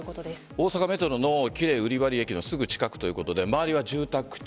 大阪メトロの喜連瓜破駅のすぐ近くということで周りは住宅地。